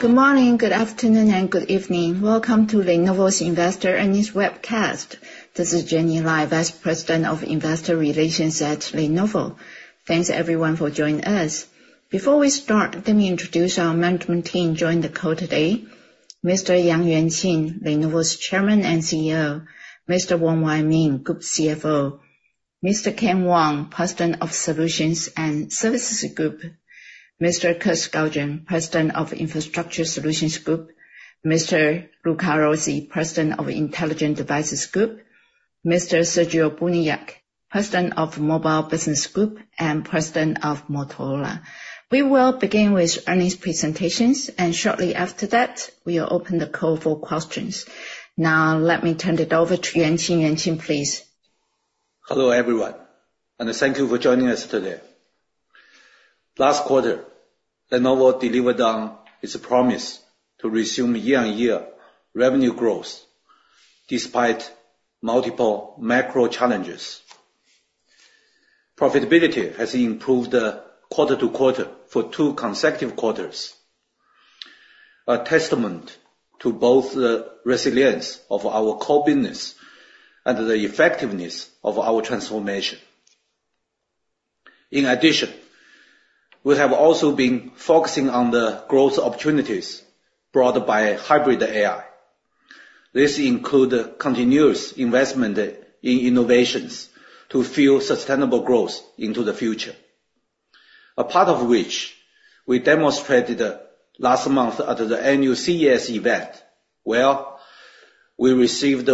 Good morning, good afternoon, and good evening. Welcome to Lenovo's Investor Earnings Webcast. This is Jenny Lai, Vice President of Investor Relations at Lenovo. Thanks, everyone, for joining us. Before we start, let me introduce our management team joining the call today: Mr. Yang Yuanqing, Lenovo's Chairman and CEO; Mr. Wong Wai Ming, Group CFO; Mr. Ken Wong, President of Solutions and Services Group; Mr. Kirk Skaugen, President of Infrastructure Solutions Group; Mr. Luca Rossi, President of Intelligent Devices Group; Mr. Sergio Buniac, President of Mobile Business Group and President of Motorola. We will begin with earnings presentations, and shortly after that, we will open the call for questions. Now, let me turn it over to Yuanqing. Yuanqing, please. Hello everyone, and thank you for joining us today. Last quarter, Lenovo delivered on its promise to resume year-over-year revenue growth despite multiple macro challenges. Profitability has improved quarter-over-quarter for two consecutive quarters, a testament to both the resilience of our core business and the effectiveness of our transformation. In addition, we have also been focusing on the growth opportunities brought by Hybrid AI. This includes continuous investment in innovations to fuel sustainable growth into the future, a part of which we demonstrated last month at the annual CES event where we received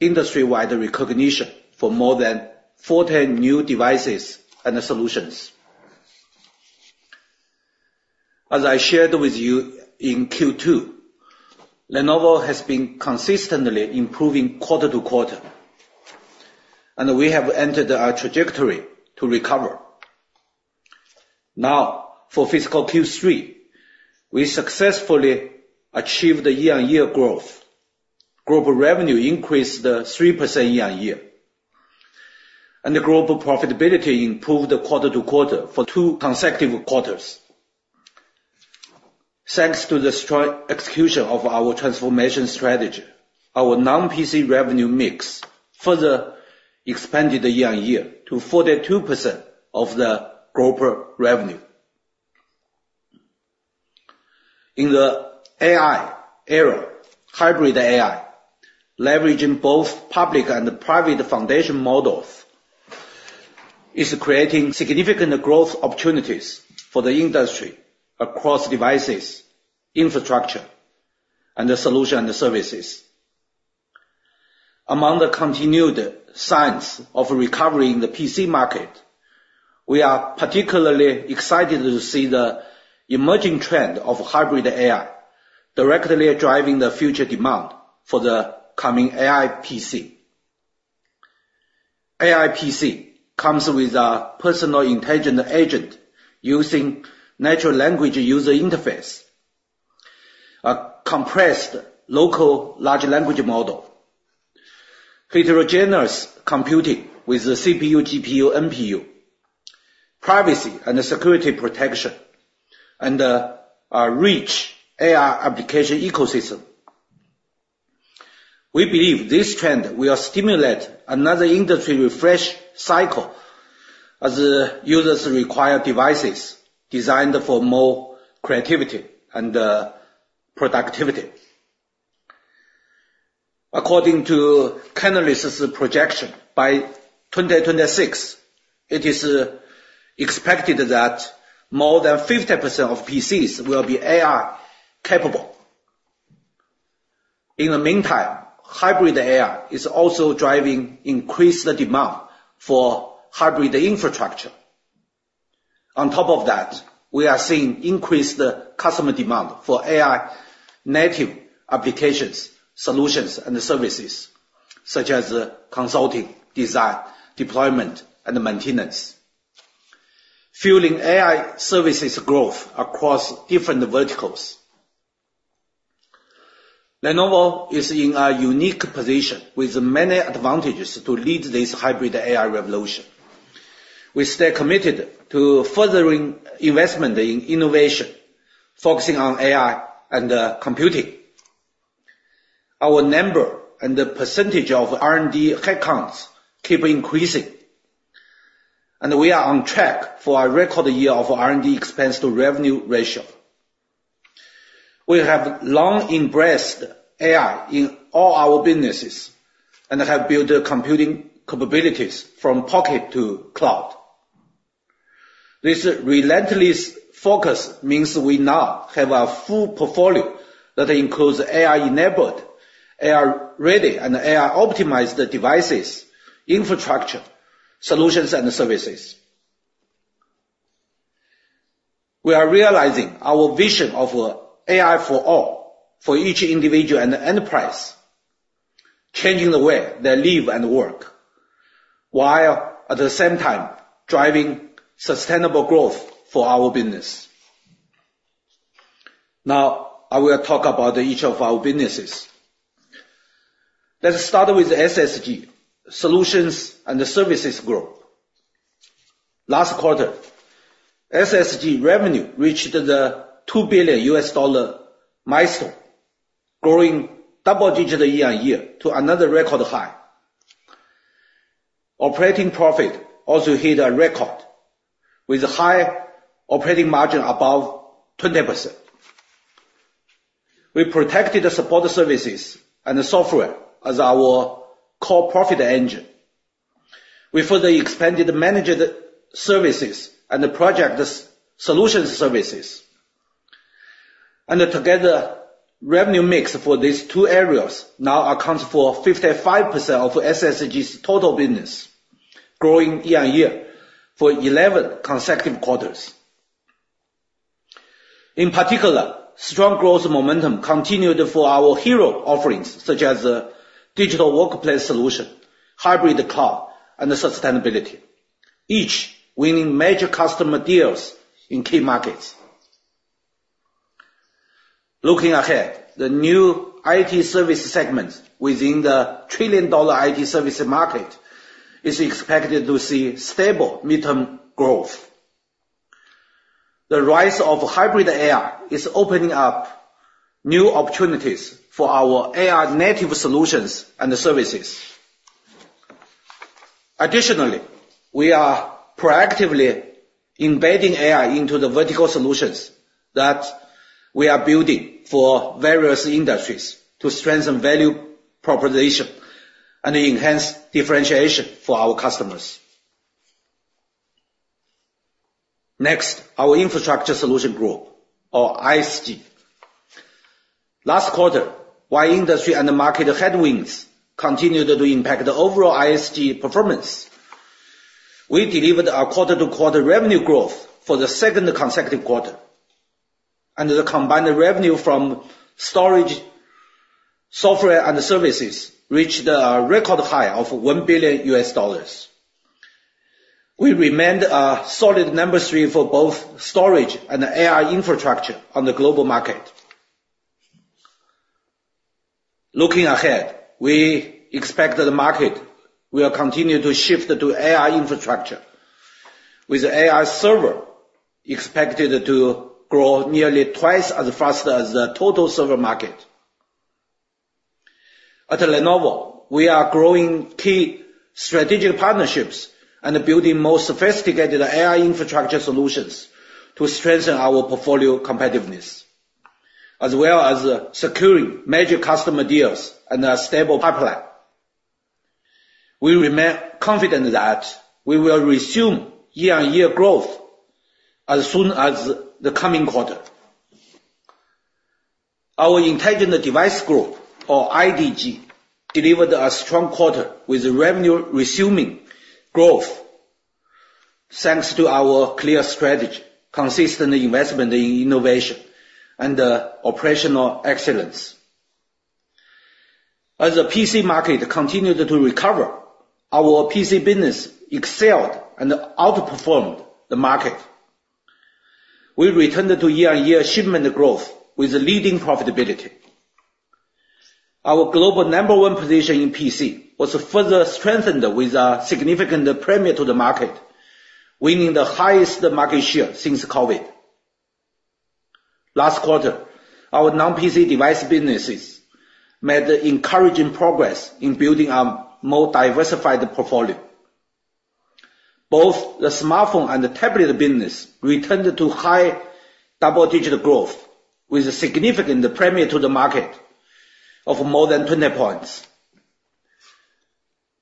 industry-wide recognition for more than 14 new devices and solutions. As I shared with you in Q2, Lenovo has been consistently improving quarter-over-quarter, and we have entered a trajectory to recover. Now, for fiscal Q3, we successfully achieved year-over-year growth. Global revenue increased 3% year-on-year, and global profitability improved quarter to quarter for two consecutive quarters. Thanks to the strong execution of our transformation strategy, our non-PC revenue mix further expanded year-on-year to 42% of the global revenue. In the AI era, Hybrid AI, leveraging both public and private foundation models, is creating significant growth opportunities for the industry across devices, infrastructure, and solutions and services. Among the continued signs of recovery in the PC market, we are particularly excited to see the emerging trend of Hybrid AI directly driving the future demand for the coming AI PC. AI PC comes with a personal intelligent agent using natural language user interface, a compressed local large language model, heterogeneous computing with CPU, GPU, NPU, privacy and security protection, and a rich AI application ecosystem. We believe this trend will stimulate another industry refresh cycle as users require devices designed for more creativity and productivity. According to analysts' projection, by 2026, it is expected that more than 50% of PCs will be AI capable. In the meantime, hybrid AI is also driving increased demand for hybrid infrastructure. On top of that, we are seeing increased customer demand for AI-native applications, solutions, and services such as consulting, design, deployment, and maintenance, fueling AI services growth across different verticals. Lenovo is in a unique position with many advantages to lead this hybrid AI revolution. We stay committed to furthering investment in innovation, focusing on AI and computing. Our number and percentage of R&D headcounts keep increasing, and we are on track for a record year of R&D expense-to-revenue ratio. We have long embraced AI in all our businesses and have built computing capabilities from Pocket-to-Cloud. This relentless focus means we now have a full portfolio that includes AI-enabled, AI-ready, and AI-optimized devices, infrastructure, solutions, and services. We are realizing our vision of AI for all, for each individual and enterprise, changing the way they live and work while at the same time driving sustainable growth for our business. Now, I will talk about each of our businesses. Let's start with SSG, Solutions and Services Group. Last quarter, SSG revenue reached the $2 billion milestone, growing double-digit year-on-year to another record high. Operating profit also hit a record with a high operating margin above 20%. We protected support services and software as our core profit engine. We further expanded managed services and project solutions services. Together, revenue mix for these two areas now accounts for 55% of SSG's total business, growing year-on-year for 11 consecutive quarters. In particular, strong growth momentum continued for our hero offerings such as Digital Workplace Solutions, hybrid cloud, and sustainability, each winning major customer deals in key markets. Looking ahead, the new IT service segment within the trillion-dollar IT service market is expected to see stable midterm growth. The rise of hybrid AI is opening up new opportunities for our AI-native solutions and services. Additionally, we are proactively embedding AI into the vertical solutions that we are building for various industries to strengthen value proposition and enhance differentiation for our customers. Next, our Infrastructure Solutions Group, or ISG. Last quarter, while industry and market headwinds continued to impact the overall ISG performance, we delivered a quarter-to-quarter revenue growth for the second consecutive quarter, and the combined revenue from storage, software, and services reached a record high of $1 billion. We remain a solid number 3 for both storage and AI infrastructure on the global market. Looking ahead, we expect the market will continue to shift to AI infrastructure, with AI server expected to grow nearly twice as fast as the total server market. At Lenovo, we are growing key strategic partnerships and building more sophisticated AI infrastructure solutions to strengthen our portfolio competitiveness, as well as securing major customer deals and a stable pipeline. We remain confident that we will resume year-on-year growth as soon as the coming quarter. Our Intelligent Devices Group, or IDG, delivered a strong quarter with revenue-resuming growth thanks to our clear strategy, consistent investment in innovation, and operational excellence. As the PC market continued to recover, our PC business excelled and outperformed the market. We returned to year-on-year shipment growth with leading profitability. Our global No. 1 position in PC was further strengthened with a significant premium to the market, winning the highest market share since COVID. Last quarter, our non-PC device businesses made encouraging progress in building a more diversified portfolio. Both the smartphone and tablet business returned to high double-digit growth with a significant premium to the market of more than 20 points.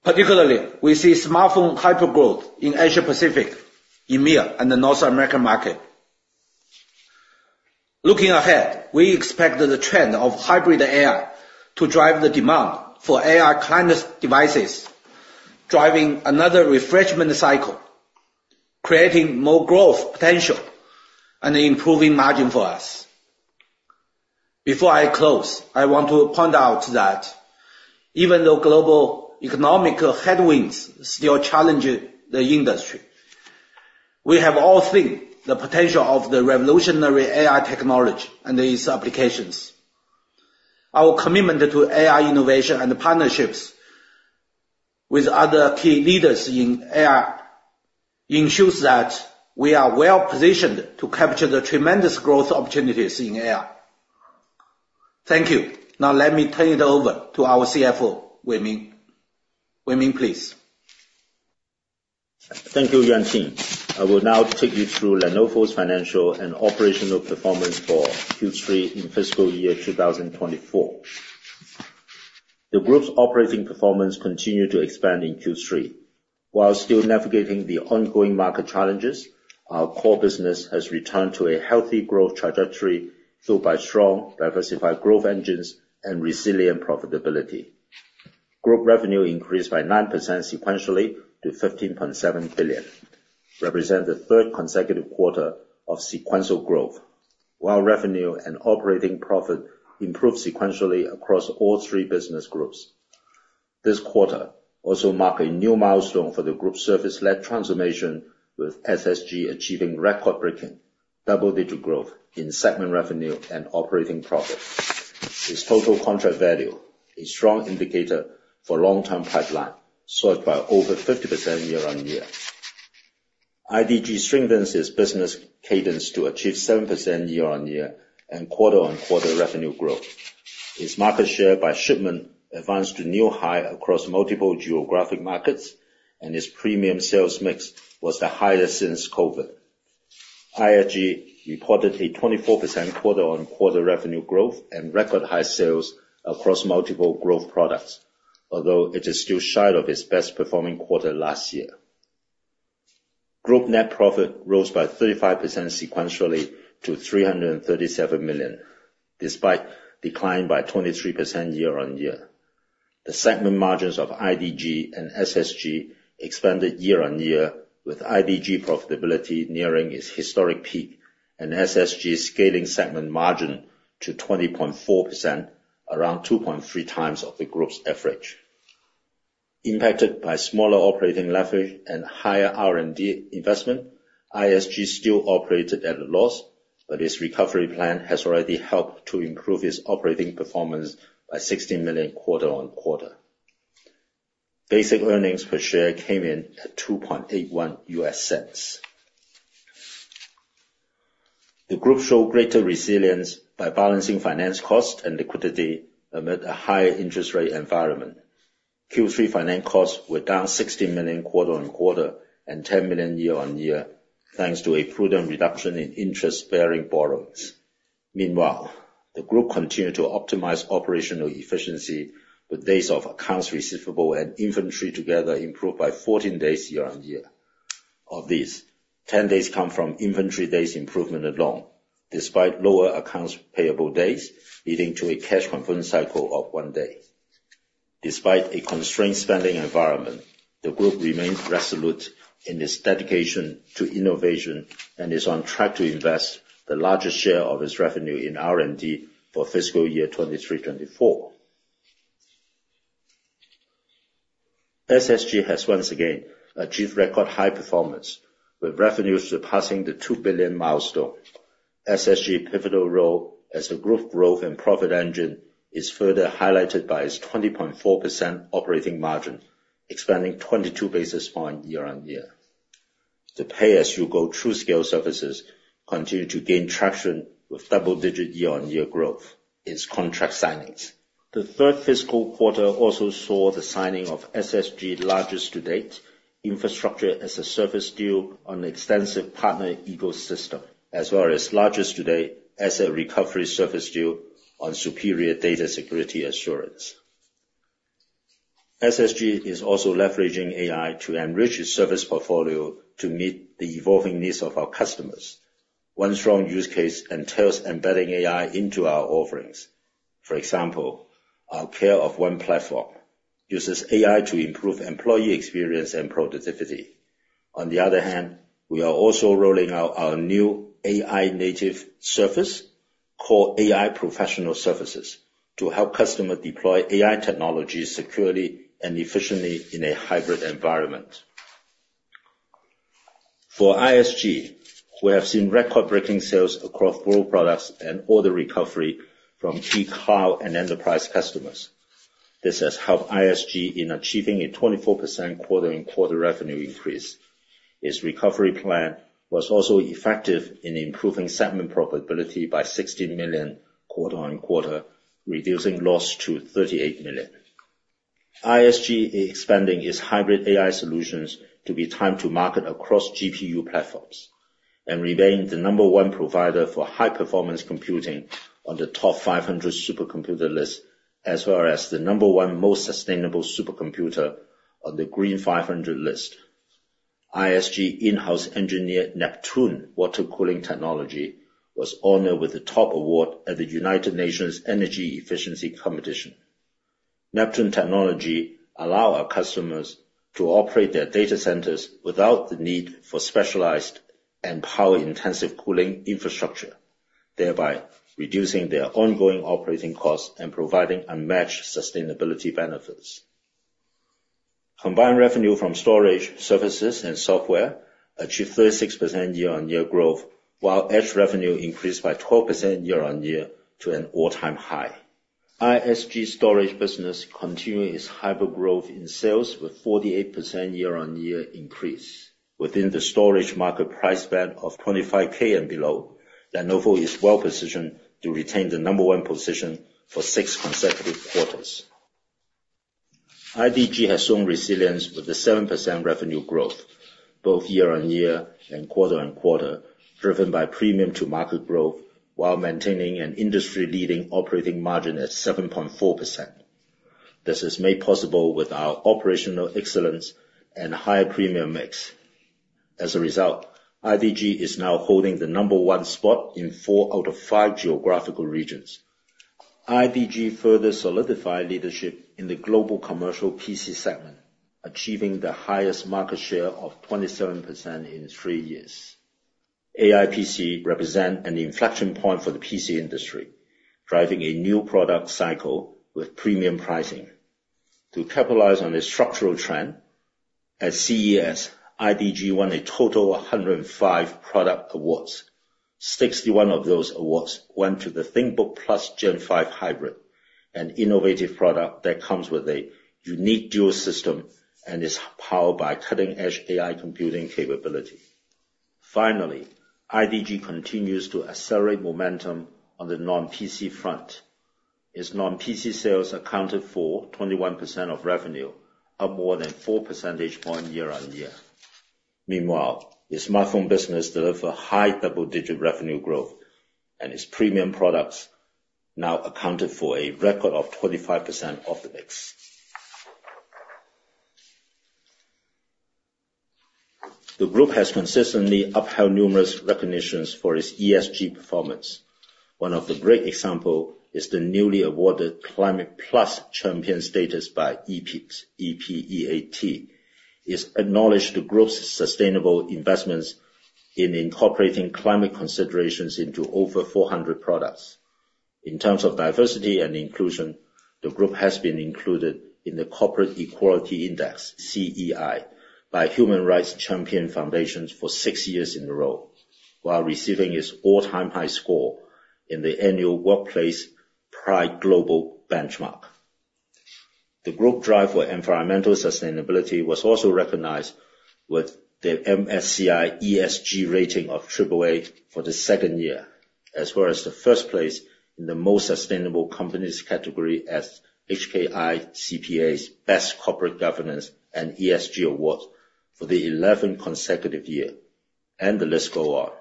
Particularly, we see smartphone hypergrowth in Asia-Pacific, EMEA, and the North American market. Looking ahead, we expect the trend of hybrid AI to drive the demand for AI-client devices, driving another refresh cycle, creating more growth potential, and improving margin for us. Before I close, I want to point out that even though global economic headwinds still challenge the industry, we have all seen the potential of the revolutionary AI technology and its applications. Our commitment to AI innovation and partnerships with other key leaders in AI ensures that we are well-positioned to capture the tremendous growth opportunities in AI. Thank you. Now, let me turn it over to our CFO, Wai Ming. Wai Ming, please. Thank you, Yuanqing. I will now take you through Lenovo's financial and operational performance for Q3 in fiscal year 2024. The group's operating performance continued to expand in Q3. While still navigating the ongoing market challenges, our core business has returned to a healthy growth trajectory fueled by strong diversified growth engines and resilient profitability. Group revenue increased by 9% sequentially to $15.7 billion, representing the third consecutive quarter of sequential growth, while revenue and operating profit improved sequentially across all three business groups. This quarter also marked a new milestone for the group's service-led transformation, with SSG achieving record-breaking double-digit growth in segment revenue and operating profit. Its total contract value, a strong indicator for a long-term pipeline, soared by over 50% year-on-year. IDG strengthens its business cadence to achieve 7% year-on-year and quarter-on-quarter revenue growth. Its market share by shipment advanced to new highs across multiple geographic markets, and its premium sales mix was the highest since COVID. ISG reported a 24% quarter-on-quarter revenue growth and record-high sales across multiple growth products, although it is still shy of its best-performing quarter last year. Group net profit rose by 35% sequentially to $337 million, despite a decline by 23% year-on-year. The segment margins of IDG and SSG expanded year-on-year, with IDG profitability nearing its historic peak and SSG scaling segment margin to 20.4%, around 2.3x of the group's average. Impacted by smaller operating leverage and higher R&D investment, ISG still operated at a loss, but its recovery plan has already helped to improve its operating performance by $16 million quarter-on-quarter. Basic earnings per share came in at $2.81. The group showed greater resilience by balancing finance costs and liquidity amid a higher interest-rate environment. Q3 finance costs were down $16 million quarter-on-quarter and $10 million year-on-year thanks to a prudent reduction in interest-bearing borrowings. Meanwhile, the group continued to optimize operational efficiency, with days of accounts receivable and inventory together improved by 14 days year-on-year. Of these, 10 days come from inventory days improvement alone, despite lower accounts payable days leading to a cash conversion cycle of 1 day. Despite a constrained spending environment, the group remains resolute in its dedication to innovation and is on track to invest the largest share of its revenue in R&D for fiscal year 2023/24. SSG has once again achieved record high performance, with revenues surpassing the $2 billion milestone. SSG's pivotal role as the group's growth and profit engine is further highlighted by its 20.4% operating margin, expanding 22 basis points year-on-year. The pay-as-you-go TruScale services continue to gain traction with double-digit year-on-year growth. Its contract signings. The third fiscal quarter also saw the signing of SSG's largest-to-date Infrastructure as a Service deal on an extensive partner ecosystem, as well as largest-to-date Asset Recovery Services deal on superior data security assurance. SSG is also leveraging AI to enrich its service portfolio to meet the evolving needs of our customers. One strong use case entails embedding AI into our offerings. For example, our Care-of-One platform uses AI to improve employee experience and productivity. On the other hand, we are also rolling out our new AI-native service called AI Professional Services to help customers deploy AI technology securely and efficiently in a hybrid environment. For ISG, we have seen record-breaking sales across world products and order recovery from key cloud and enterprise customers. This has helped ISG in achieving a 24% quarter-on-quarter revenue increase. Its recovery plan was also effective in improving segment profitability by $16 million quarter-on-quarter, reducing loss to $38 million. ISG is expanding its hybrid AI solutions to be time-to-market across GPU platforms and remains the number one provider for high-performance computing on the TOP500 supercomputer list, as well as the number one most sustainable supercomputer on the Green500 list. ISG's in-house engineered Neptune water-cooling technology was honored with the top award at the United Nations Energy Efficiency Competition. Neptune technology allows our customers to operate their data centers without the need for specialized and power-intensive cooling infrastructure, thereby reducing their ongoing operating costs and providing unmatched sustainability benefits. Combined revenue from storage services and software achieved 36% year-on-year growth, while edge revenue increased by 12% year-on-year to an all-time high. ISG's storage business continues its hypergrowth in sales with a 48% year-on-year increase. Within the storage market price band of $25K and below, Lenovo is well-positioned to retain the number one position for six consecutive quarters. IDG has shown resilience with a 7% revenue growth, both year-on-year and quarter-on-quarter, driven by premium-to-market growth while maintaining an industry-leading operating margin at 7.4%. This is made possible with our operational excellence and high premium mix. As a result, IDG is now holding the number one spot in four out of five geographical regions. IDG further solidified leadership in the global commercial PC segment, achieving the highest market share of 27% in three years. AI PCs represent an inflection point for the PC industry, driving a new product cycle with premium pricing. To capitalize on this structural trend, at CES, IDG won a total of 105 product awards. 61 of those awards went to the ThinkBook Plus Gen 5 Hybrid, an innovative product that comes with a unique dual system and is powered by cutting-edge AI computing capability. Finally, IDG continues to accelerate momentum on the non-PC front. Its non-PC sales accounted for 21% of revenue, up more than four percentage points year-on-year. Meanwhile, its smartphone business delivered high double-digit revenue growth, and its premium products now accounted for a record of 25% of the mix. The group has consistently upheld numerous recognitions for its ESG performance. One of the great examples is the newly awarded Climate+ Champion status by EPEAT. It acknowledged the group's sustainable investments in incorporating climate considerations into over 400 products. In terms of diversity and inclusion, the group has been included in the Corporate Equality Index, CEI, by Human Rights Campaign Foundation for six years in a row, while receiving its all-time high score in the annual Workplace Pride Global Benchmark. The group's drive for environmental sustainability was also recognized with the MSCI ESG rating of AAA for the second year, as well as the first place in the Most Sustainable Companies category as HKICPA's Best Corporate Governance and ESG Award for the 11th consecutive year, and the list goes on.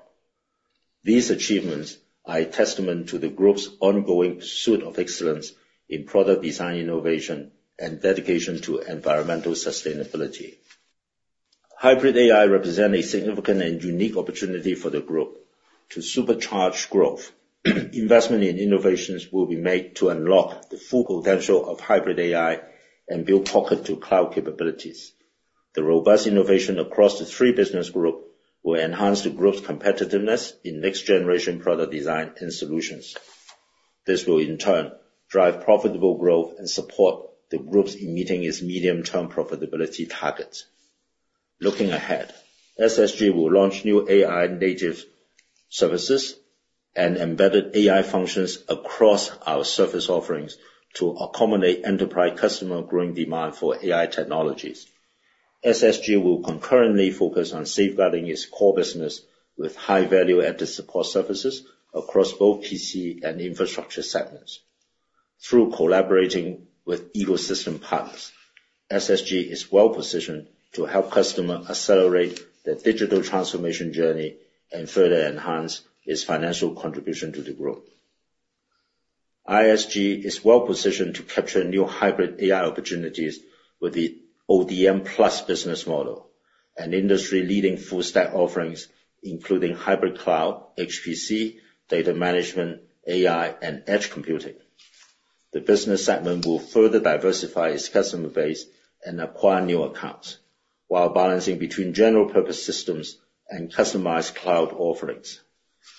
These achievements are a testament to the group's ongoing pursuit of excellence in product design innovation and dedication to environmental sustainability. Hybrid AI represents a significant and unique opportunity for the group to supercharge growth. Investment in innovations will be made to unlock the full potential of hybrid AI and build pocket-to-cloud capabilities. The robust innovation across the three business groups will enhance the group's competitiveness in next-generation product design and solutions. This will, in turn, drive profitable growth and support the group in meeting its medium-term profitability targets. Looking ahead, SSG will launch new AI-native services and embedded AI functions across our service offerings to accommodate enterprise customer-growing demand for AI technologies. SSG will concurrently focus on safeguarding its core business with high-value added support services across both PC and infrastructure segments. Through collaborating with ecosystem partners, SSG is well-positioned to help customers accelerate their digital transformation journey and further enhance its financial contribution to the growth. ISG is well-positioned to capture new hybrid AI opportunities with the ODM+ business model, an industry-leading full-stack offering including hybrid cloud, HPC, data management, AI, and edge computing. The business segment will further diversify its customer base and acquire new accounts, while balancing between general-purpose systems and customized cloud offerings.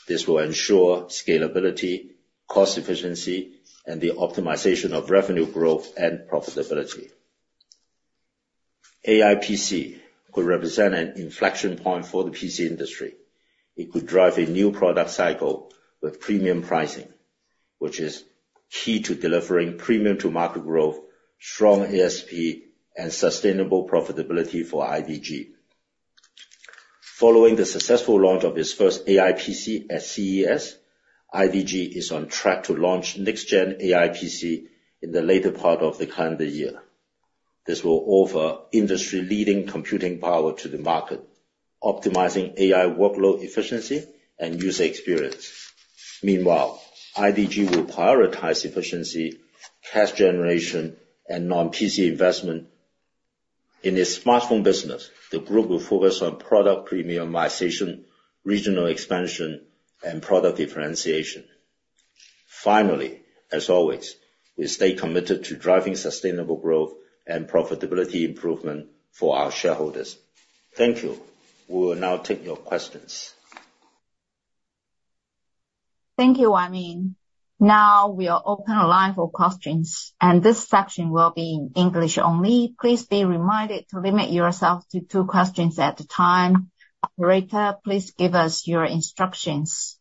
This will ensure scalability, cost efficiency, and the optimization of revenue growth and profitability. AI PC could represent an inflection point for the PC industry. It could drive a new product cycle with premium pricing, which is key to delivering premium-to-market growth, strong EPS, and sustainable profitability for IDG. Following the successful launch of its first AI PC at CES, IDG is on track to launch next-gen AI PC in the later part of the calendar year. This will offer industry-leading computing power to the market, optimizing AI workload efficiency and user experience. Meanwhile, IDG will prioritize efficiency, cash generation, and non-PC investment. In its smartphone business, the group will focus on product premiumization, regional expansion, and product differentiation. Finally, as always, we stay committed to driving sustainable growth and profitability improvement for our shareholders. Thank you. We will now take your questions. Thank you, Wai Ming. Now we'll open the line for questions, and this section will be in English only. Please be reminded to limit yourself to two questions at a time. Operator, please give us your instructions.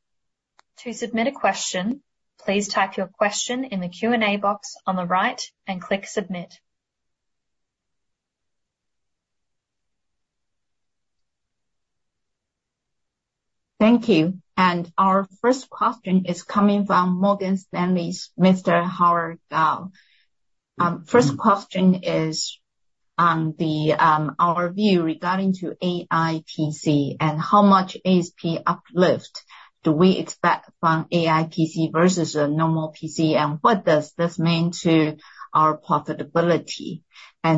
To submit a question, please type your question in the Q&A box on the right and click Submit. Thank you. Our first question is coming from Morgan Stanley's Mr. Howard Kao. First question is on our view regarding AI PC, and how much ASP uplift do we expect from AI PC versus a normal PC, and what does this mean to our profitability?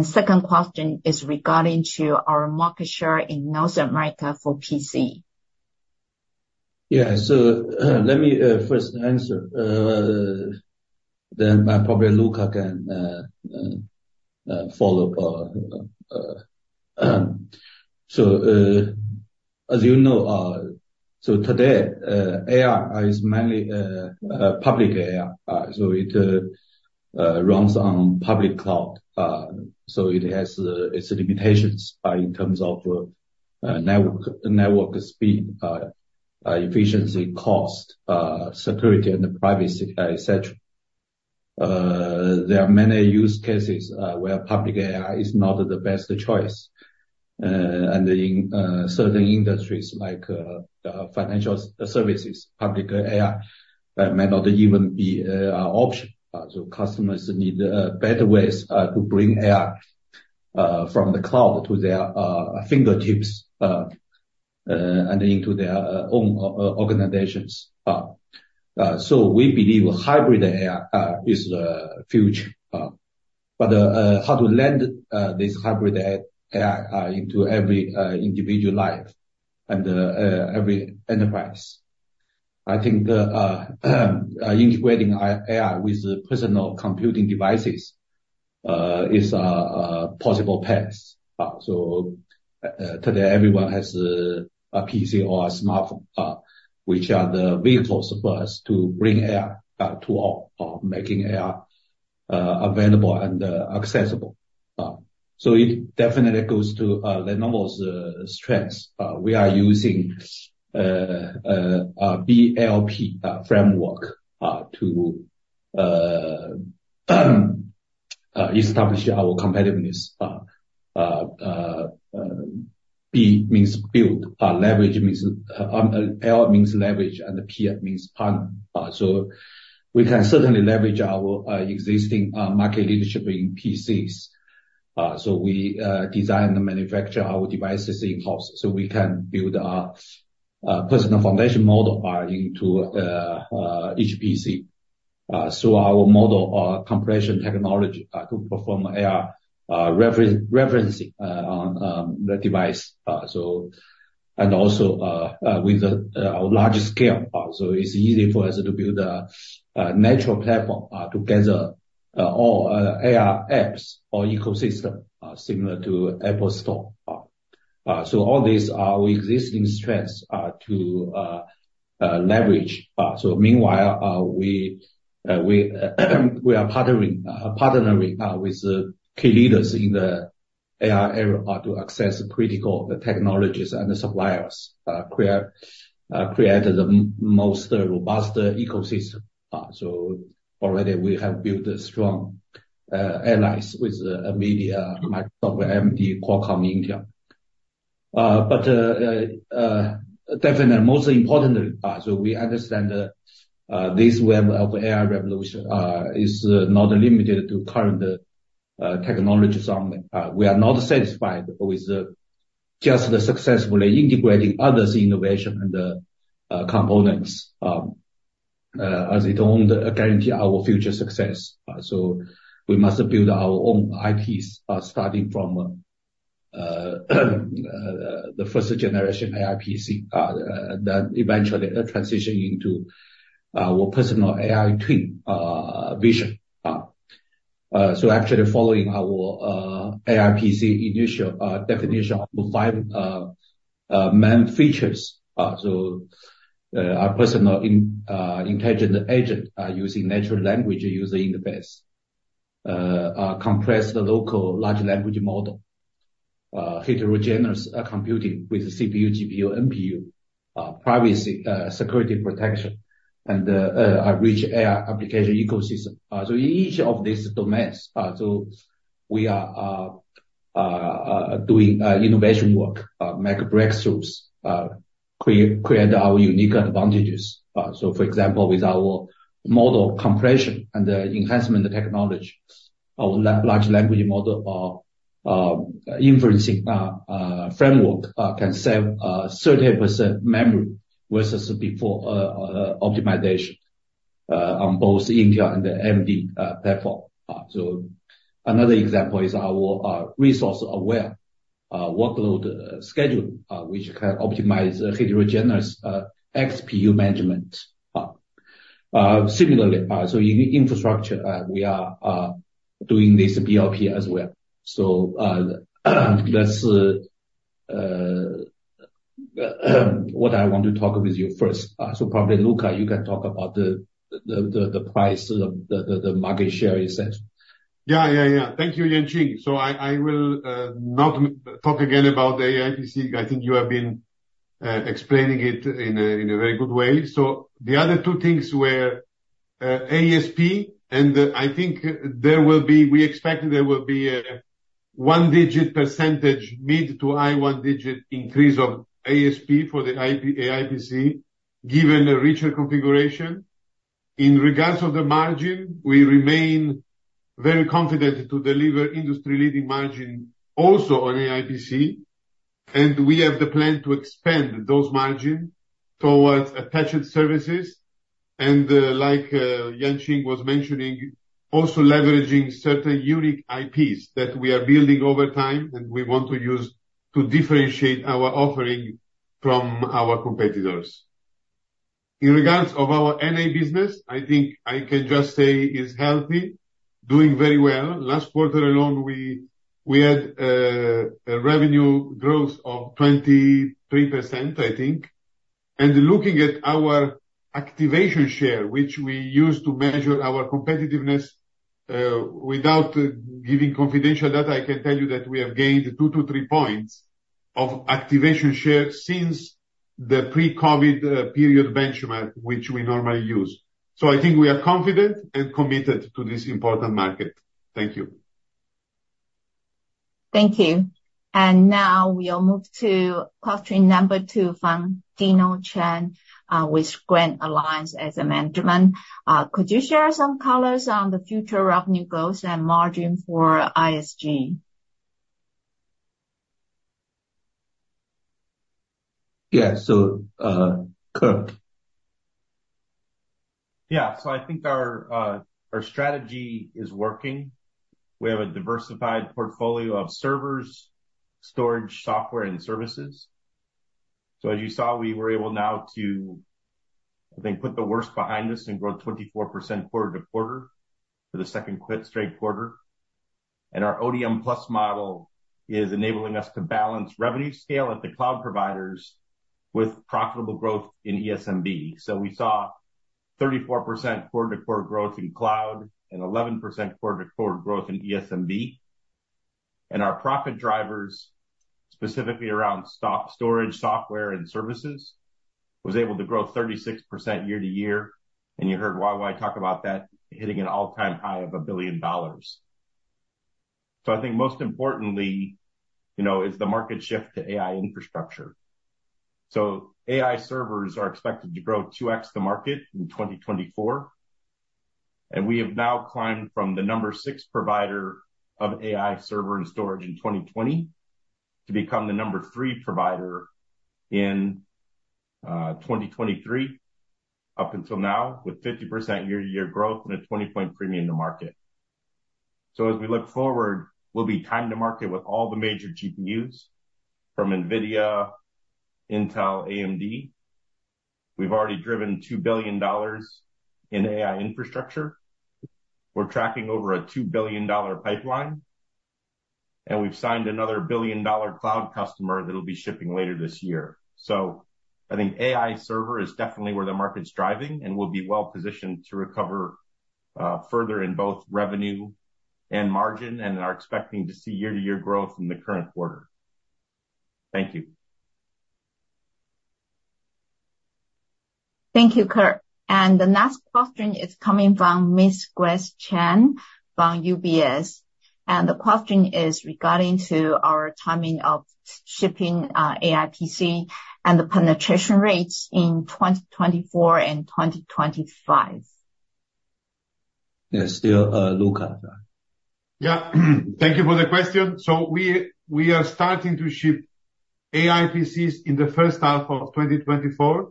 Second question is regarding our market share in North America for PC. Yeah. Let me first answer, then I'll probably look again and follow up. As you know, today, AI is mainly public AI. It runs on public cloud, it has its limitations in terms of network speed, efficiency, cost, security, and privacy, etc. There are many use cases where public AI is not the best choice. In certain industries like financial services, public AI may not even be an option. Customers need better ways to bring AI from the cloud to their fingertips and into their own organizations. We believe hybrid AI is the future. But how to lend this hybrid AI into every individual life and every enterprise? I think integrating AI with personal computing devices is a possible path. Today, everyone has a PC or a smartphone, which are the vehicles for us to bring AI to all, making AI available and accessible. It definitely goes to Lenovo's strengths. We are using a BLP framework to establish our competitiveness. B means build, L means leverage, and P means partner. We can certainly leverage our existing market leadership in PCs. We design and manufacture our devices in-house so we can build our personal foundation model into each PC. Our model compilation technology to perform AI referencing on the device, and also with our larger scale. It's easy for us to build a natural platform to gather all AI apps or ecosystem similar to Apple Store. All these are our existing strengths to leverage. So meanwhile, we are partnering with key leaders in the AI area to access critical technologies and suppliers, create the most robust ecosystem. So already, we have built strong allies with NVIDIA, Microsoft, AMD, Qualcomm, Intel. But definitely, most importantly, we understand this web of AI revolution is not limited to current technologies only. We are not satisfied with just successfully integrating others' innovation and components as it don't guarantee our future success. So we must build our own IPs starting from the first-generation AI PC, then eventually transitioning into our personal AI twin vision. So actually, following our AI PC initial definition of five main features, so our personal intelligent agent using natural language user interface, compressed local large language model, heterogeneous computing with CPU, GPU, NPU, privacy, security protection, and a rich AI application ecosystem. So in each of these domains, we are doing innovation work, make breakthroughs, create our unique advantages. So for example, with our model compression and enhancement technology, our large language model inferencing framework can save 30% memory versus before optimization on both Intel and the AMD platform. So another example is our resource-aware workload schedule, which can optimize heterogeneous XPU management. Similarly, so in infrastructure, we are doing this BLP as well. So that's what I want to talk with you first. So probably, Luca, you can talk about the price, the market share, etc. Yeah, yeah, yeah. Thank you, Yang Yuanqing. So I will not talk again about the AI PC. I think you have been explaining it in a very good way. So the other two things were ASP, and I think we expect a one-digit percentage mid- to high one-digit increase of ASP for the AI PC given a richer configuration. In regards to the margin, we remain very confident to deliver industry-leading margin also on AI PC, and we have the plan to expand those margins towards attached services. And like Yang Yuanqing was mentioning, also leveraging certain unique IPs that we are building over time and we want to use to differentiate our offering from our competitors. In regards to our NA business, I think I can just say it's healthy, doing very well. Last quarter alone, we had a revenue growth of 23%, I think. Looking at our activation share, which we use to measure our competitiveness without giving confidential data, I can tell you that we have gained 2-3 points of activation share since the pre-COVID period benchmark, which we normally use. I think we are confident and committed to this important market. Thank you. Thank you. Now we'll move to question number two from Dino Chen with Guotai Junan asks management. Could you share some colors on the future revenue growth and margin for ISG? Yeah. So, Kirk. Yeah. So I think our strategy is working. We have a diversified portfolio of servers, storage, software, and services. So as you saw, we were able now to, I think, put the worst behind us and grow 24% quarter-to-quarter for the second straight quarter. And our ODM+ model is enabling us to balance revenue scale at the cloud providers with profitable growth in ESMB. So we saw 34% quarter-to-quarter growth in cloud and 11% quarter-to-quarter growth in ESMB. And our profit drivers, specifically around storage, software, and services, were able to grow 36% year-to-year. And you heard YY talk about that hitting an all-time high of $1 billion. So I think most importantly is the market shift to AI infrastructure. So AI servers are expected to grow 2x the market in 2024. We have now climbed from the number 6 provider of AI server and storage in 2020 to become the number 3 provider in 2023 up until now with 50% year-to-year growth and a 20-point premium to market. As we look forward, we'll be time to market with all the major GPUs from NVIDIA, Intel, AMD. We've already driven $2 billion in AI infrastructure. We're tracking over a $2 billion pipeline, and we've signed another billion-dollar cloud customer that'll be shipping later this year. I think AI server is definitely where the market's driving, and we'll be well-positioned to recover further in both revenue and margin, and are expecting to see year-to-year growth in the current quarter. Thank you. Thank you, Kirk. The next question is coming from Miss Grace Chen from UBS. The question is regarding our timing of shipping AI PC and the penetration rates in 2024 and 2025. Yeah. Still Luca. Yeah. Thank you for the question. So we are starting to ship AI PCs in the first half of 2024,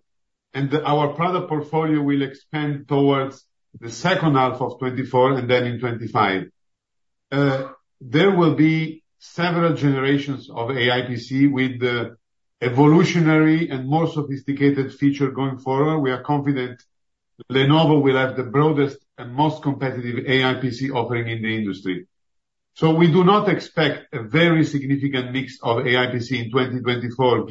and our product portfolio will expand towards the second half of 2024 and then in 2025. There will be several generations of AI PC with evolutionary and more sophisticated features going forward. We are confident Lenovo will have the broadest and most competitive AI PC offering in the industry. So we do not expect a very significant mix of AI PC in 2024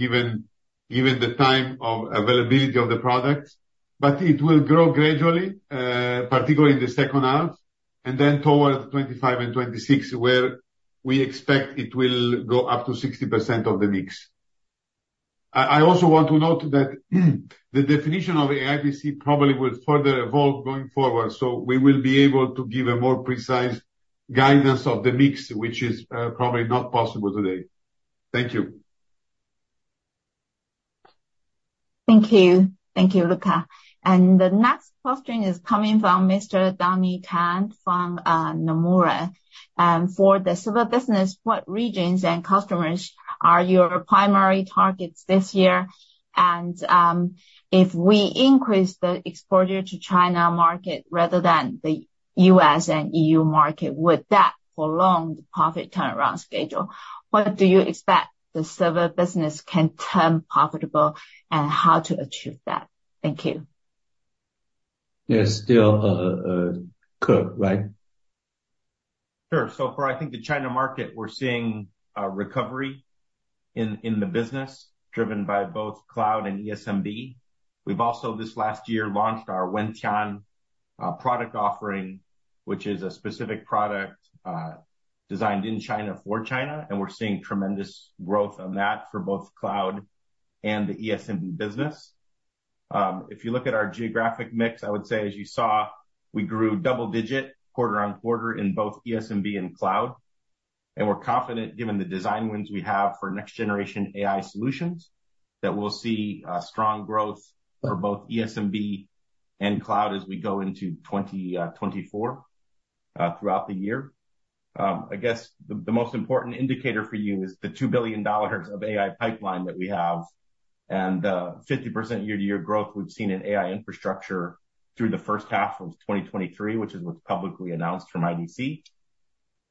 given the time of availability of the product, but it will grow gradually, particularly in the second half, and then towards 2025 and 2026 where we expect it will go up to 60% of the mix. I also want to note that the definition of AI PC probably will further evolve going forward, so we will be able to give a more precise guidance of the mix, which is probably not possible today. Thank you. Thank you. Thank you, Luca. And the next question is coming from Mr. Donnie Teng from Nomura. For the server business, what regions and customers are your primary targets this year? And if we increase the exposure to China market rather than the U.S. and EU market, would that prolong the profit turnaround schedule? What do you expect the server business can turn profitable, and how to achieve that? Thank you. Yeah. Still Kirk, right? Sure. So for, I think, the China market, we're seeing recovery in the business driven by both cloud and ESMB. We've also, this last year, launched our Wentian product offering, which is a specific product designed in China for China, and we're seeing tremendous growth on that for both cloud and the ESMB business. If you look at our geographic mix, I would say, as you saw, we grew double-digit quarter-on-quarter in both ESMB and cloud. And we're confident, given the design wins we have for next-generation AI solutions, that we'll see strong growth for both ESMB and cloud as we go into 2024 throughout the year. I guess the most important indicator for you is the $2 billion of AI pipeline that we have and the 50% year-to-year growth we've seen in AI infrastructure through the first half of 2023, which is what's publicly announced from IDC.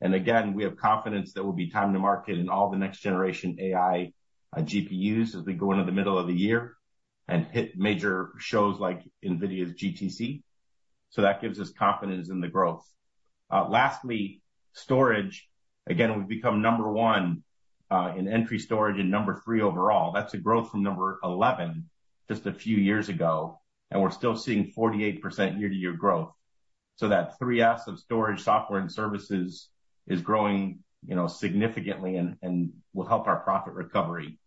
Again, we have confidence that we'll be time to market in all the next-generation AI GPUs as we go into the middle of the year and hit major shows like NVIDIA's GTC. That gives us confidence in the growth. Lastly, storage. Again, we've become number 1 in entry storage and number 3 overall. That's a growth from number 11 just a few years ago, and we're still seeing 48% year-to-year growth. That 3S of storage, software, and services is growing significantly and will help our profit recovery.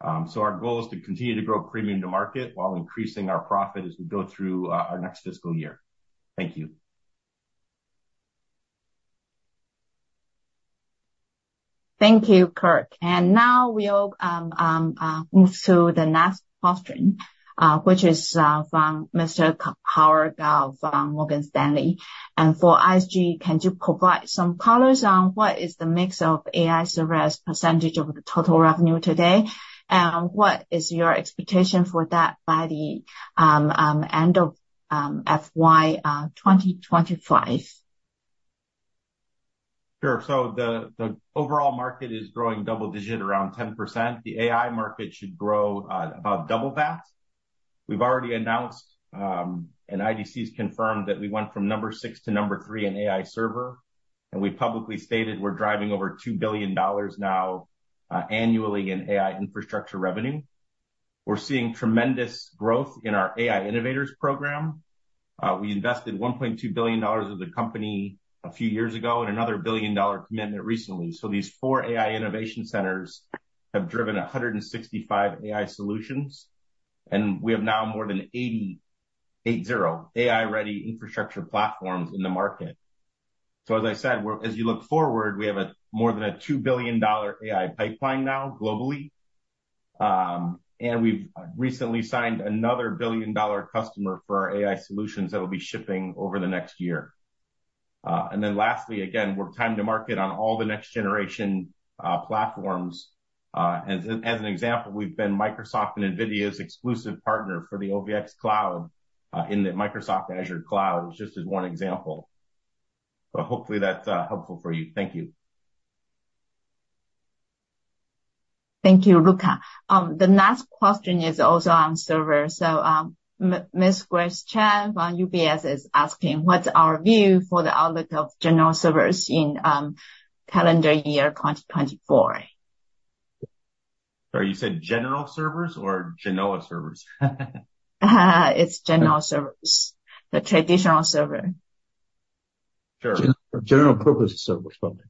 Our goal is to continue to grow premium to market while increasing our profit as we go through our next fiscal year. Thank you. Thank you, Kirk. Now we'll move to the next question, which is from Mr. Howard Kao from Morgan Stanley. For ISG, can you provide some colors on what is the mix of AI server as percentage of the total revenue today, and what is your expectation for that by the end of FY 2025? Sure. So the overall market is growing double-digit around 10%. The AI market should grow about double that. We've already announced, and IDC has confirmed, that we went from number 6 to number 3 in AI server, and we publicly stated we're driving over $2 billion now annually in AI infrastructure revenue. We're seeing tremendous growth in our AI innovators program. We invested $1.2 billion as a company a few years ago and another billion-dollar commitment recently. So these 4 AI innovation centers have driven 165 AI solutions, and we have now more than 80 AI-ready infrastructure platforms in the market. So as I said, as you look forward, we have more than a $2 billion AI pipeline now globally, and we've recently signed another billion-dollar customer for our AI solutions that'll be shipping over the next year. Then lastly, again, we're time to market on all the next-generation platforms. As an example, we've been Microsoft and NVIDIA's exclusive partner for the OVX Cloud in the Microsoft Azure Cloud. It's just as one example. Hopefully, that's helpful for you. Thank you. Thank you, Luca. The next question is also on servers. So Ms. Grace Chen from UBS is asking, "What's our view for the outlook of Genoa servers in calendar year 2024? Sorry. You said general servers or Genoa servers? It's general servers, the traditional server. Sure. General-purpose servers, probably.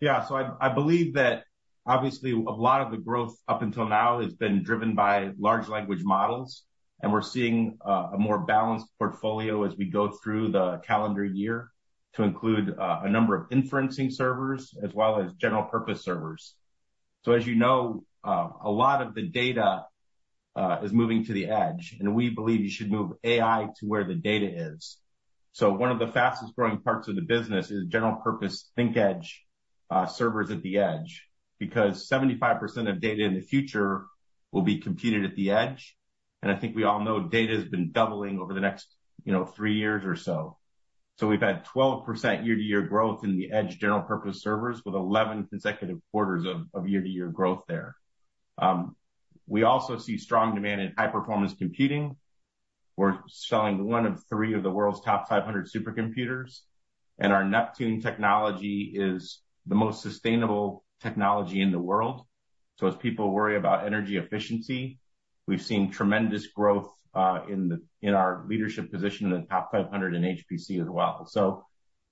Yeah. So I believe that, obviously, a lot of the growth up until now has been driven by large language models, and we're seeing a more balanced portfolio as we go through the calendar year to include a number of inferencing servers as well as general-purpose servers. So as you know, a lot of the data is moving to the edge, and we believe you should move AI to where the data is. So one of the fastest-growing parts of the business is general-purpose ThinkEdge servers at the edge because 75% of data in the future will be computed at the edge. And I think we all know data has been doubling over the next three years or so. So we've had 12% year-to-year growth in the edge general-purpose servers with 11 consecutive quarters of year-to-year growth there. We also see strong demand in high-performance computing. We're selling one of three of the world's TOP500 supercomputers, and our Neptune technology is the most sustainable technology in the world. As people worry about energy efficiency, we've seen tremendous growth in our leadership position in the TOP500 in HPC as well.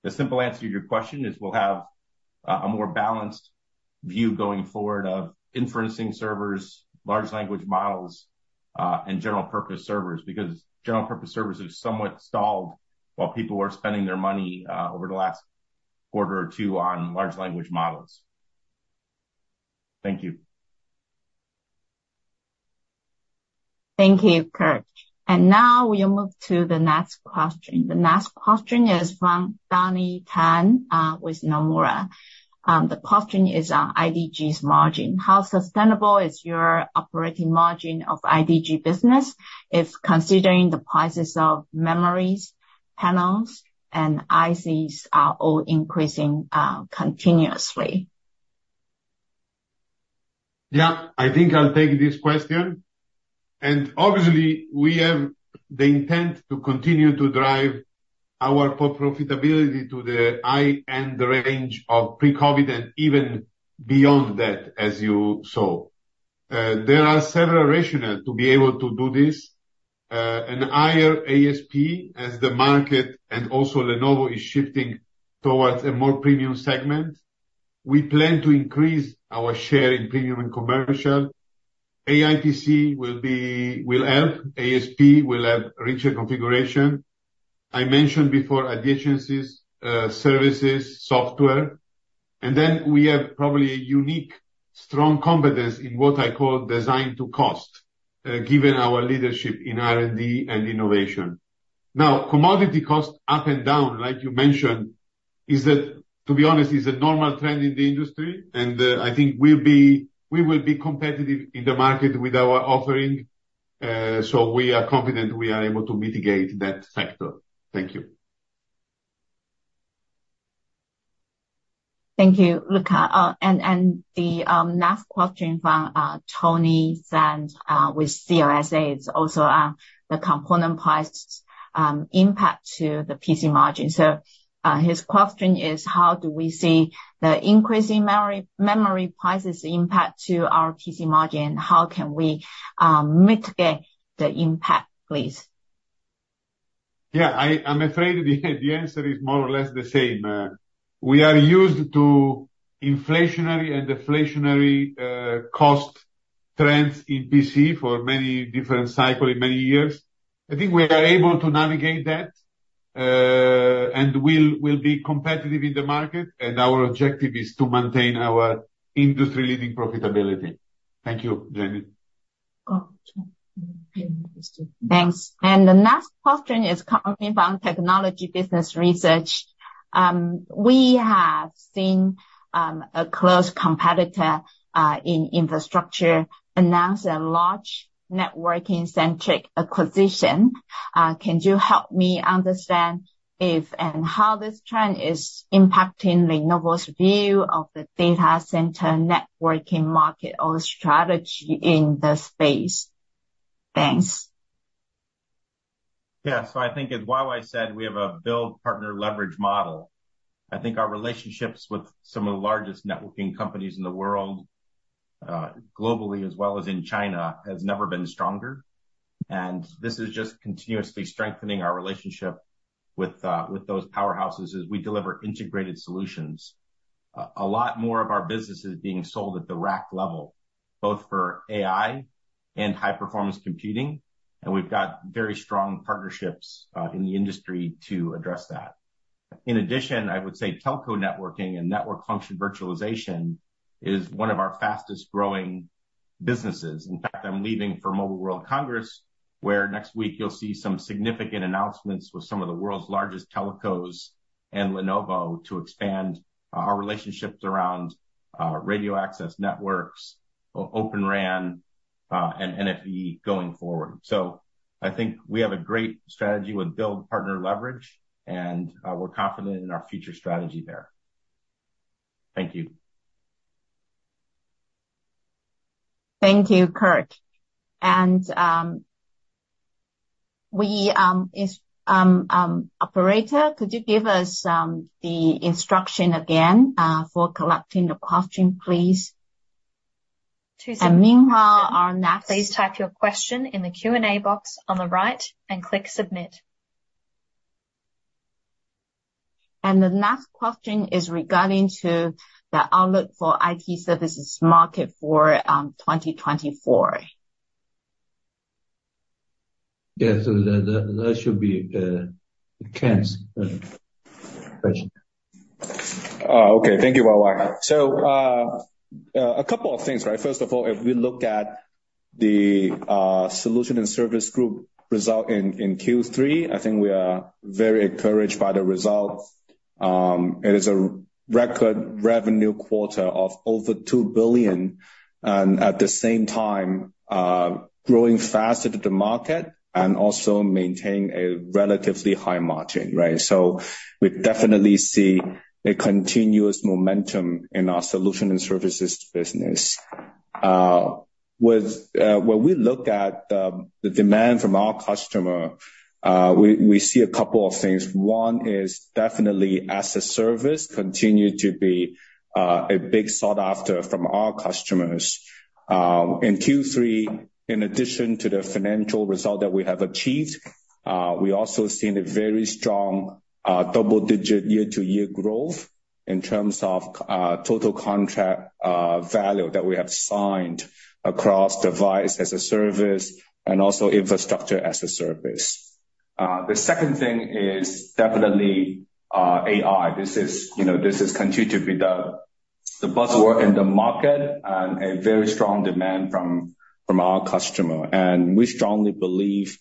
The simple answer to your question is we'll have a more balanced view going forward of inferencing servers, large language models, and general-purpose servers because general-purpose servers have somewhat stalled while people were spending their money over the last quarter or two on large language models. Thank you. Thank you, Kirk. And now we'll move to the next question. The next question is from Donnie Teng with Nomura. The question is on IDG's margin. How sustainable is your operating margin of IDG business if considering the prices of memories, panels, and ICs are all increasing continuously? Yeah. I think I'll take this question. And obviously, we have the intent to continue to drive our profitability to the high-end range of pre-COVID and even beyond that, as you saw. There are several rationales to be able to do this. A higher ASP as the market and also Lenovo is shifting towards a more premium segment. We plan to increase our share in premium and commercial. AI PC will help. ASP will have richer configuration. I mentioned before attachments, services, software. And then we have probably a unique, strong competence in what I call design to cost given our leadership in R&D and innovation. Now, commodity cost up and down, like you mentioned, is, to be honest, a normal trend in the industry, and I think we will be competitive in the market with our offering. So we are confident we are able to mitigate that factor. Thank you. Thank you, Luca. The next question from Tony Zhang with CLSA is also on the component price impact to the PC margin. His question is, "How do we see the increasing memory prices impact to our PC margin, and how can we mitigate the impact, please? Yeah. I'm afraid the answer is more or less the same. We are used to inflationary and deflationary cost trends in PC for many different cycles in many years. I think we are able to navigate that and will be competitive in the market, and our objective is to maintain our industry-leading profitability. Thank you, Jenny. Thanks. The next question is coming from Technology Business Research. We have seen a close competitor in infrastructure announce a large networking-centric acquisition. Can you help me understand if and how this trend is impacting Lenovo's view of the data center networking market or strategy in the space? Thanks. Yeah. So I think, as YY said, we have a build-partner leverage model. I think our relationships with some of the largest networking companies in the world globally as well as in China have never been stronger. And this is just continuously strengthening our relationship with those powerhouses as we deliver integrated solutions. A lot more of our business is being sold at the rack level, both for AI and high-performance computing, and we've got very strong partnerships in the industry to address that. In addition, I would say telco networking and network function virtualization is one of our fastest-growing businesses. In fact, I'm leaving for Mobile World Congress where next week you'll see some significant announcements with some of the world's largest telcos and Lenovo to expand our relationships around radio access networks, Open RAN, and NFV going forward. So I think we have a great strategy with build-partner leverage, and we're confident in our future strategy there. Thank you. Thank you, Kirk. Operator, could you give us the instruction again for collecting the question, please? Meanwhile, our next. Please type your question in the Q&A box on the right and click Submit. The next question is regarding the outlook for IT services market for 2024. Yeah. So that should be a Ken's question. Okay. Thank you, Wai Ming. So a couple of things, right? First of all, if we look at the Solutions and Services Group result in Q3, I think we are very encouraged by the result. It is a record revenue quarter of over $2 billion and, at the same time, growing faster to the market and also maintaining a relatively high margin, right? So we definitely see a continuous momentum in our solution and services business. When we look at the demand from our customer, we see a couple of things. One is definitely, as a service, continue to be a big sought-after from our customers. In Q3, in addition to the financial result that we have achieved, we also seen a very strong double-digit year-to-year growth in terms of total contract value that we have signed across Device as a Service and also Infrastructure as a Service. The second thing is definitely AI. This is continued to be the buzzword in the market and a very strong demand from our customer. We strongly believe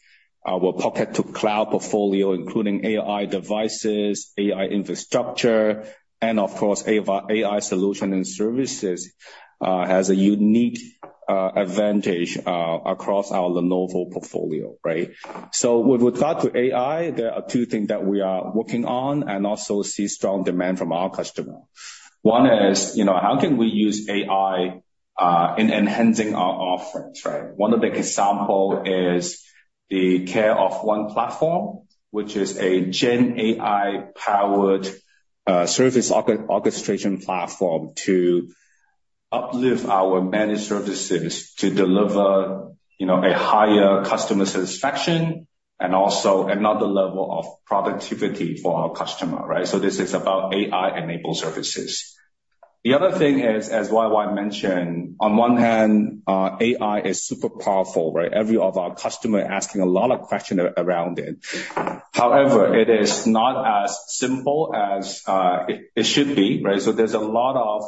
our pocket-to-cloud portfolio, including AI devices, AI infrastructure, and, of course, AI solution and services, has a unique advantage across our Lenovo portfolio, right? With regard to AI, there are two things that we are working on and also see strong demand from our customer. One is, how can we use AI in enhancing our offerings, right? One of the examples is the Care-of-One Platform, which is a GenAI-powered service orchestration platform to uplift our managed services to deliver a higher customer satisfaction and not the level of productivity for our customer, right? This is about AI-enabled services. The other thing is, as YY mentioned, on one hand, AI is super powerful, right? Every of our customers are asking a lot of questions around it. However, it is not as simple as it should be, right? So there's a lot of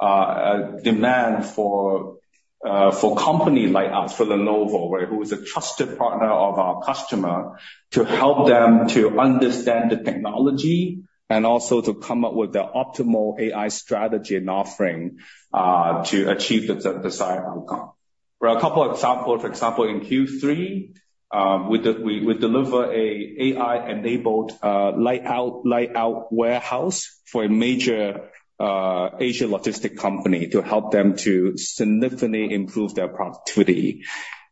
demand for a company like us, for Lenovo, right, who is a trusted partner of our customer, to help them to understand the technology and also to come up with the optimal AI strategy and offering to achieve the desired outcome. A couple of examples. For example, in Q3, we deliver an AI-enabled layout warehouse for a major Asian logistics company to help them to significantly improve their productivity.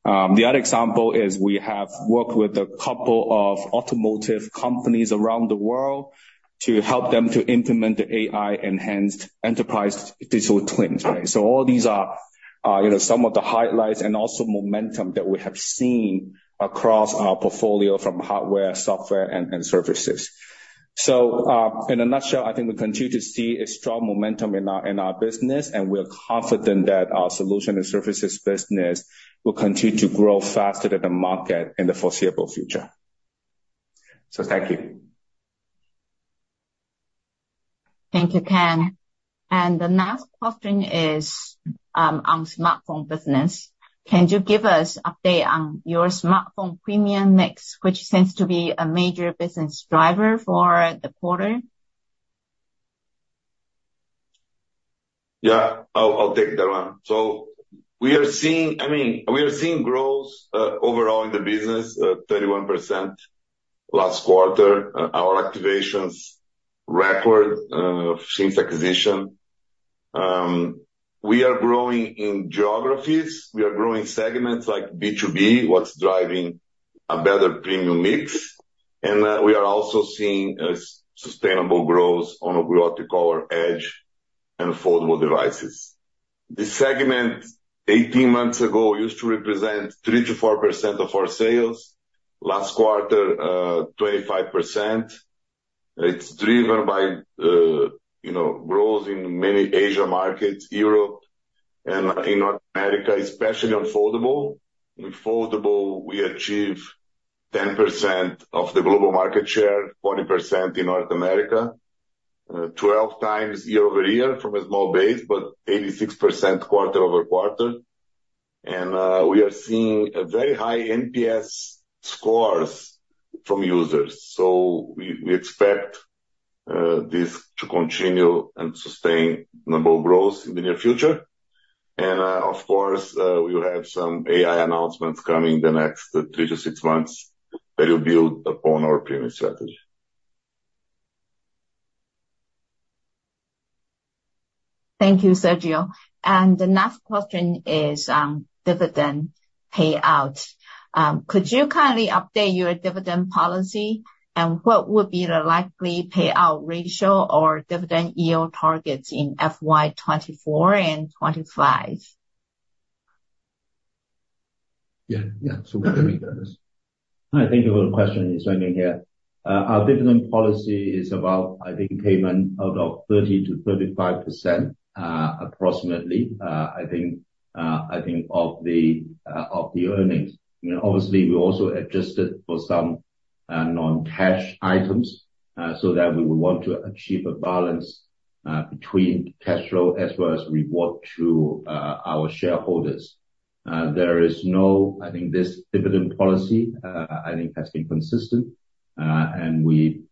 The other example is we have worked with a couple of automotive companies around the world to help them to implement the AI-enhanced enterprise digital twins, right? So all these are some of the highlights and also momentum that we have seen across our portfolio from hardware, software, and services. In a nutshell, I think we continue to see a strong momentum in our business, and we're confident that our solution and services business will continue to grow faster than the market in the foreseeable future. Thank you. Thank you, Ken. The next question is on smartphone business. Can you give us an update on your smartphone premium mix, which seems to be a major business driver for the quarter? Yeah. I'll take that one. So we are seeing—I mean, we are seeing growth overall in the business, 31% last quarter, our activations record since acquisition. We are growing in geographies. We are growing segments like B2B, what's driving a better premium mix. And we are also seeing sustainable growth on what we call our edge and foldable devices. This segment, 18 months ago, used to represent 3%-4% of our sales. Last quarter, 25%. It's driven by growth in many Asian markets, Europe, and in North America, especially on foldable. With foldable, we achieve 10% of the global market share, 40% in North America, 12x year-over-year from a small base, but 86% quarter-over-quarter. And we are seeing very high NPS scores from users. So we expect this to continue and sustain global growth in the near future. Of course, we will have some AI announcements coming in the next 3-6 months that will build upon our premium strategy. Thank you, Sergio. The next question is dividend payout. Could you kindly update your dividend policy, and what would be the likely payout ratio or dividend yield targets in FY2024 and 2025? Yeah. Yeah. So what do we do? Hi. Thank you for the question you're sending here. Our dividend policy is about, I think, payment out of 30%-35%, approximately, I think, of the earnings. Obviously, we also adjusted for some non-cash items so that we would want to achieve a balance between cash flow as well as reward to our shareholders. There is no I think this dividend policy, I think, has been consistent, and we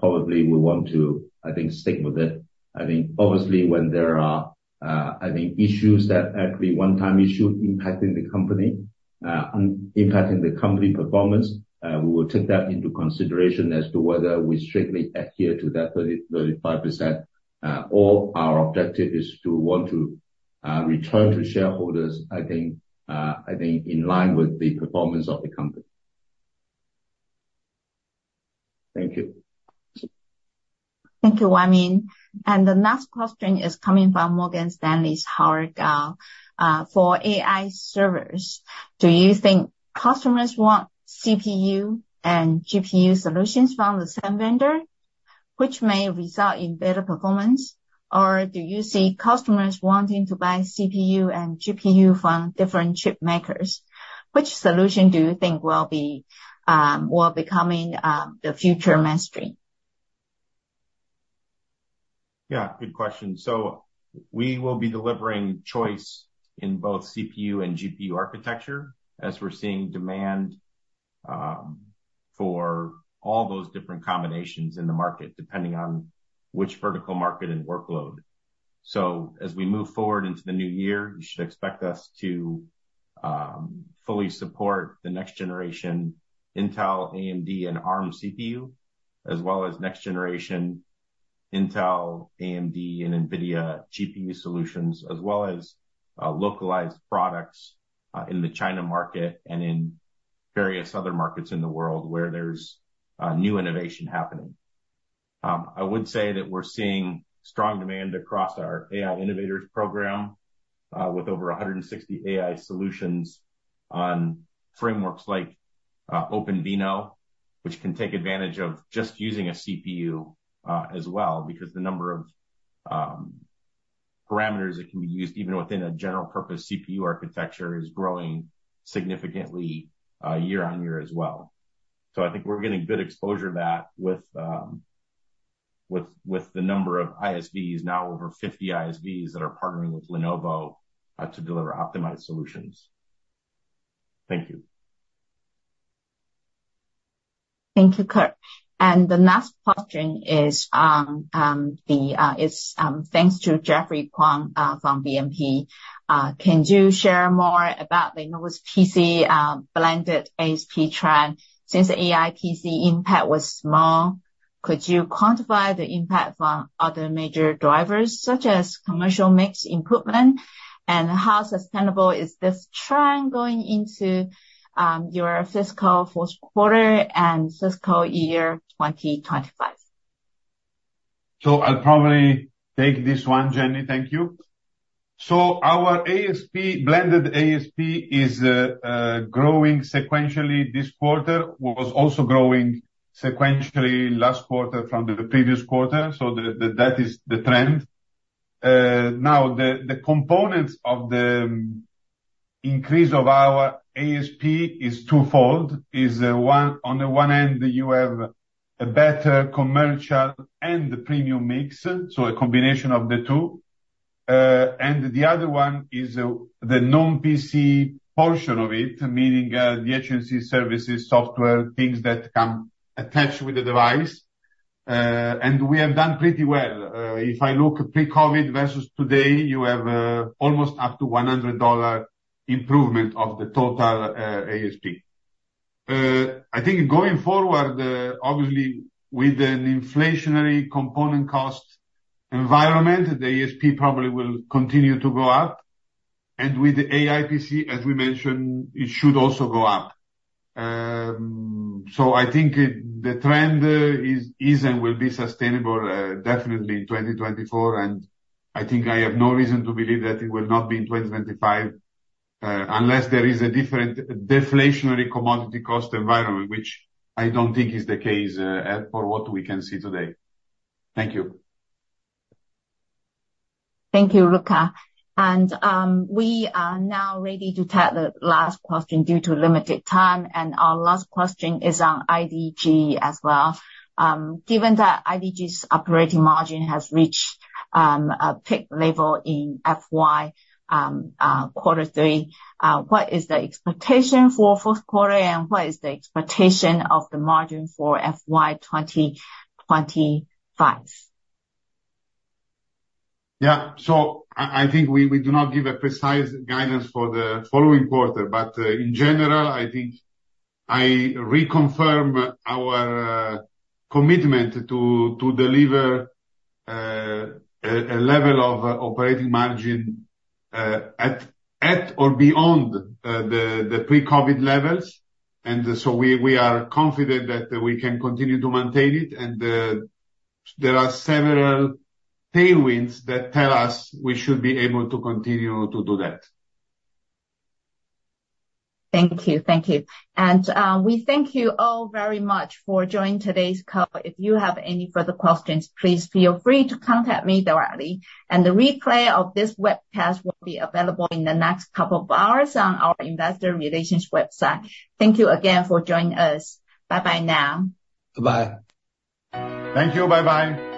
probably will want to, I think, stick with it. I think, obviously, when there are, I think, issues that are actually one-time issues impacting the company performance, we will take that into consideration as to whether we strictly adhere to that 30%-35%, or our objective is to want to return to shareholders, I think, in line with the performance of the company. Thank you. Thank you, Wai Ming. The next question is coming from Morgan Stanley's Howard Kao. For AI servers, do you think customers want CPU and GPU solutions from the same vendor, which may result in better performance? Or do you see customers wanting to buy CPU and GPU from different chip makers? Which solution do you think will be becoming the future mainstream? Yeah. Good question. So we will be delivering choice in both CPU and GPU architecture as we're seeing demand for all those different combinations in the market depending on which vertical market and workload. So as we move forward into the new year, you should expect us to fully support the next-generation Intel, AMD, and ARM CPU as well as next-generation Intel, AMD, and NVIDIA GPU solutions as well as localized products in the China market and in various other markets in the world where there's new innovation happening. I would say that we're seeing strong demand across our AI innovators program with over 160 AI solutions on frameworks like OpenVINO, which can take advantage of just using a CPU as well because the number of parameters that can be used even within a general-purpose CPU architecture is growing significantly year-on-year as well. I think we're getting good exposure to that with the number of ISVs, now over 50 ISVs, that are partnering with Lenovo to deliver optimized solutions. Thank you. Thank you, Kirk. And the next question is thanks to Jeffrey Kuang from BNP. Can you share more about Lenovo's PC blended ASP trend? Since the AI PC impact was small, could you quantify the impact from other major drivers such as commercial mix improvement? And how sustainable is this trend going into your fiscal fourth quarter and fiscal year 2025? So I'll probably take this one, Jenny. Thank you. So our blended ASP is growing sequentially this quarter, was also growing sequentially last quarter from the previous quarter. So that is the trend. Now, the components of the increase of our ASP is twofold. On the one end, you have a better commercial and premium mix, so a combination of the two. And the other one is the non-PC portion of it, meaning the attached services, software, things that come attached with the device. And we have done pretty well. If I look pre-COVID versus today, you have almost up to $100 improvement of the total ASP. I think going forward, obviously, with an inflationary component cost environment, the ASP probably will continue to go up. And with the AI PC, as we mentioned, it should also go up. I think the trend is and will be sustainable, definitely, in 2024. I think I have no reason to believe that it will not be in 2025 unless there is a different deflationary commodity cost environment, which I don't think is the case for what we can see today. Thank you. Thank you, Luca. We are now ready to take the last question due to limited time. Our last question is on IDG as well. Given that IDG's operating margin has reached a peak level in FY quarter three, what is the expectation for fourth quarter, and what is the expectation of the margin for FY2025? Yeah. I think we do not give a precise guidance for the following quarter. But in general, I think I reconfirm our commitment to deliver a level of operating margin at or beyond the pre-COVID levels. And so we are confident that we can continue to maintain it. And there are several tailwinds that tell us we should be able to continue to do that. Thank you. Thank you. We thank you all very much for joining today's call. If you have any further questions, please feel free to contact me directly. The replay of this webcast will be available in the next couple of hours on our investor relations website. Thank you again for joining us. Bye-bye now. Bye-bye. Thank you. Bye-bye.